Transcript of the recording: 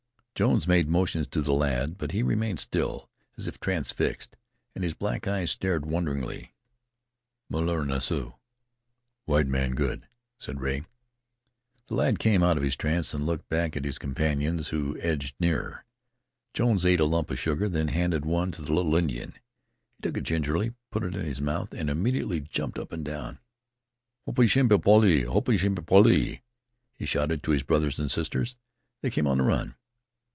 Jones made motions to the lad, but he remained still, as if transfixed, and his black eyes stared wonderingly. "Molar nasu (white man good)," said Rea. The lad came out of his trance and looked back at his companions, who edged nearer. Jones ate a lump of sugar, then handed one to the little Indian. He took it gingerly, put it into his mouth and immediately jumped up and down. "Hoppiesharnpoolie! Hoppiesharnpoolie!" he shouted to his brothers and sisters. They came on the run.